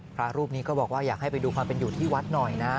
พระรูปนี้ก็บอกว่าอยากให้ไปดูความเป็นอยู่ที่วัดหน่อยนะ